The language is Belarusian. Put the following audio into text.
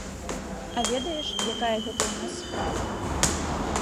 А ведаеш, якая гэта ў нас справа?